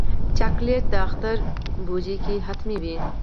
چاکلېټ د اختر بوجۍ کې حتمي وي.